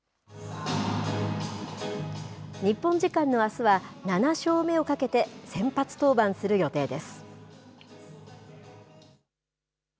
日本時間のあすは、７勝目をかけて先発登板する予定です。